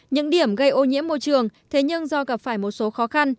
những điểm gây ô nhiễm môi trường thế nhưng do gặp phải một số khó khăn